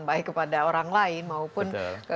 baik kepada orang lain maupun